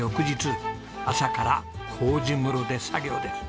朝から糀室で作業です。